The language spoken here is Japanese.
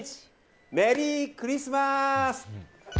メリークリスマス！